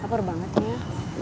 saper banget nih ya